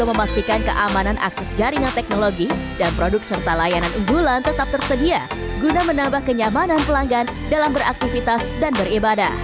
pihaknya turut berkomunikasi